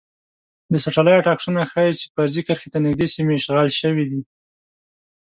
د سټلایټ عکسونه ښايی چې فرضي کرښې ته نږدې سیمې اشغال شوي دي